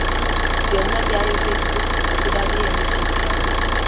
Byonna by'ayogedde sirabyemu kipya.